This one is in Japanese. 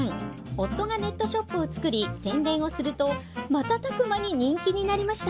夫がネットショップを作り宣伝をすると瞬く間に人気になりました。